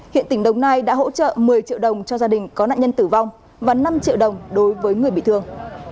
hiện tỉnh đồng nai đã hỗ trợ một mươi triệu đồng cho gia đình có nạn nhân tử vong và năm triệu đồng đối với người bị thương